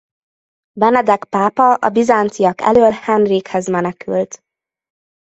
Benedek pápa a bizánciak elől Henrikhez menekült.